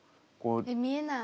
見えない！